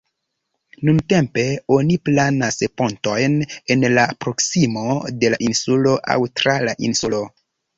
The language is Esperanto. Nuntempe oni planas pontojn en la proksimo de la insulo aŭ tra la insulo.